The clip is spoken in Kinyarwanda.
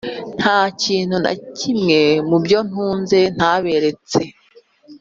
nta kintu na kimwe mu byo ntunze ntaberetse.»